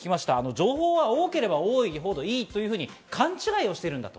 情報が多ければ多いほどいいと勘違いをしているんだと。